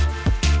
dengan pak jokowi